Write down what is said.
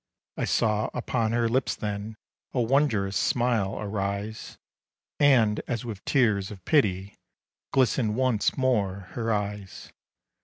I saw upon her lips then A wondrous smile arise, And as with tears of pity Glistened once more her eyes.